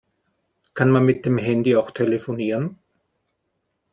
Kann man mit dem Handy auch telefonieren?